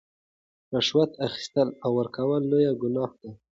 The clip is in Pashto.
رشوت اخیستل او ورکول لویه ګناه ده.